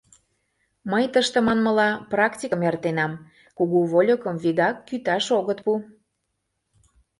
Мый тыште, манмыла, практикым эртенам: кугу вольыкым вигак кӱташ огыт пу.